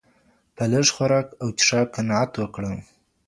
په لږ خوراک او څښاک قناعت وکړه.